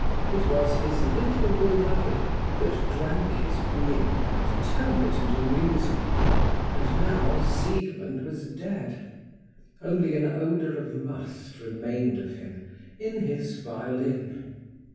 It was his little beloved that drank his being and turned it into music. And now Siegmund was dead; only an odour of must remained of him in his violin.